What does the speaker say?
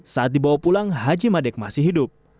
saat dibawa pulang haji madek masih hidup